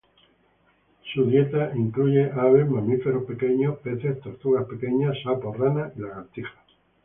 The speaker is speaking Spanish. Su dieta incluye aves, mamíferos pequeños, peces, tortugas pequeñas, sapos, ranas y lagartijas.